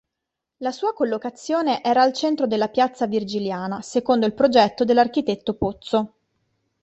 La sua collocazione era al centro della piazza Virgiliana secondo il progetto dell'architetto Pozzo.